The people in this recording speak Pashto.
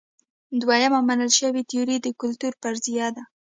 دویمه منل شوې تیوري د کلتور فرضیه ده.